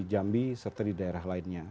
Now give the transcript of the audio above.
jambi serta di daerah lainnya